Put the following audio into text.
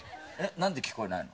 なんで聞こえないの？